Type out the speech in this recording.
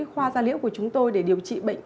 khoa gia liễu của chúng tôi để điều trị bệnh